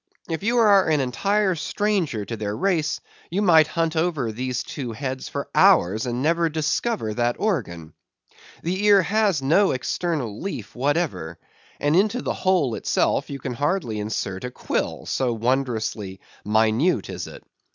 If you are an entire stranger to their race, you might hunt over these two heads for hours, and never discover that organ. The ear has no external leaf whatever; and into the hole itself you can hardly insert a quill, so wondrously minute is it.